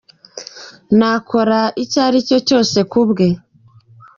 Nakora icyo ari cyo cyose ku bwe.